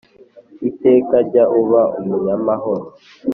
Iteka jya uba umunyamahoro